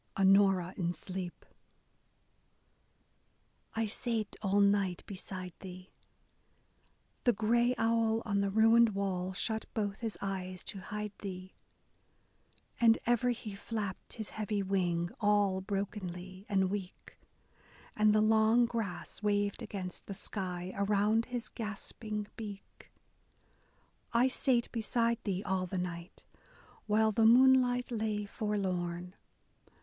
Onora in sleep : I sate all night beside thee — The gray owl on the ruined wall shut both his eyes to hide thee, And ever he flapped his heavy wing, all brokenly and weak, And the long grass waved against the sky, around his gasping beak ! I sate beside thee all the night, while the moonlight lay forlorn.